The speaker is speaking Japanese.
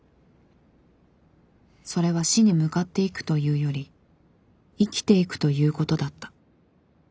それは死に向かっていくというより生きていくということだった。